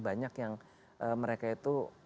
banyak yang mereka itu